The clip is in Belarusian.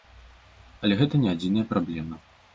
Але гэта не адзіная праблема.